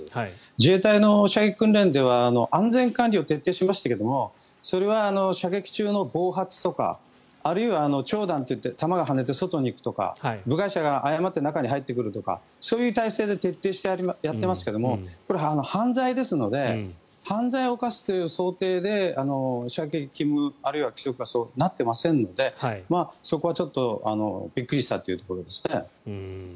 自衛隊の射撃訓練では安全管理を徹底していますがそれは射撃中の暴発とかあるいは跳弾といって弾が跳ねて、外に行くとか部外者が誤って中に入ってくるとかそういう体制で徹底してやっていますがこれは犯罪ですので犯罪を犯すという想定で射撃、あるいは規則はそうなっていませんのでそこはちょっとびっくりしたというところですね。